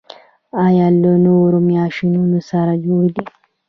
ایا له نورو ماشومانو سره جوړ دي؟